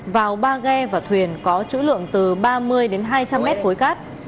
vào ba ghe và thuyền có chữ lượng từ ba mươi đến hai trăm linh mét khối cát